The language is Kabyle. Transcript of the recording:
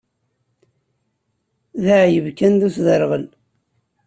D aεyyeb kan d usderɣel.